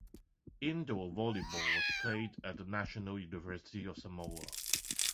Indoor volleyball was played at the National University of Samoa.